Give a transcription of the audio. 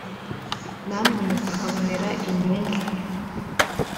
namwe muzahabonera inyungu